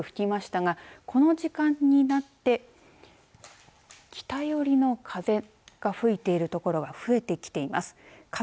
非常に強く吹きましたがこの時間になって北寄りの風が吹いている所が増えてきています。